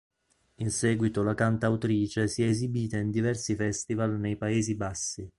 In seguito la cantautrice si è esibita in diversi festival nei Paesi Bassi.